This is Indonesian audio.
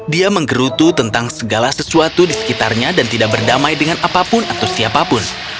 dia menggerutu tentang segala sesuatu di sekitarnya dan tidak berdamai dengan apapun atau siapapun